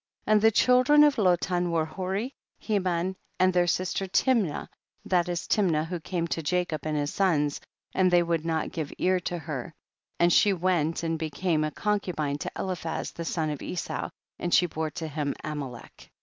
27. And the children of Lotan were Hori, Heman and their sister Timna , that is Timna who came to Jacob and his sons, and they would not give ear to her, and she went and became a concubine to Eliphaz the son of Esau, and she bare to him Amalek.